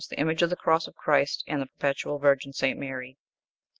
The image of the cross of Christ, and of the perpetual virgin St. Mary.